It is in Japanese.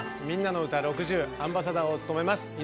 「みんなのうた６０」アンバサダーを務めます